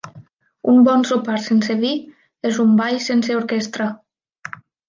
Un bon sopar sense vi és un ball sense orquestra.